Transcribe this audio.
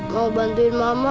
mau bantuin mama